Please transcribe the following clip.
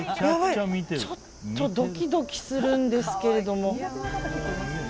ちょっとドキドキするんですけれども。